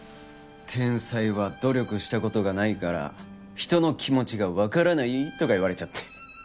「天才は努力した事がないから人の気持ちがわからない」とか言われちゃって。